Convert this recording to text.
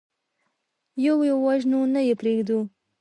يو يو وژنو، نه يې پرېږدو.